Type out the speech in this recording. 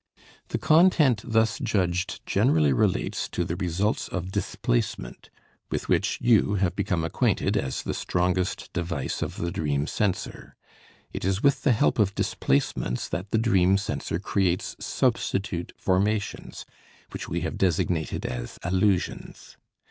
The content thus judged generally relates to the results of displacement, with which you have become acquainted as the strongest device of the dream censor. It is with the help of displacements that the dream censor creates substitute formations which we have designated as allusions.